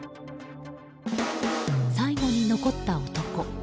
最後に残った男。